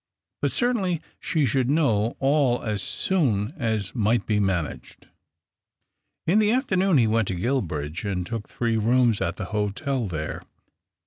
But cer ainly she should know all as soon as might be Qanaged. In the afternoon he went to Guilbridge, and ook three rooms at the hotel there.